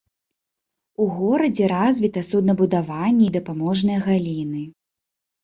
У горадзе развіта суднабудаванне і дапаможныя галіны.